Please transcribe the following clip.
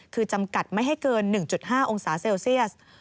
คือจำกัดไม่ให้เกิน๑๕องศาเซลเซียส